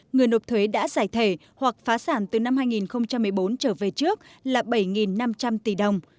người nộp thuế đã giải thể hoặc phá sản từ năm hai nghìn một mươi bốn trở về trước là bảy năm trăm linh tỷ đồng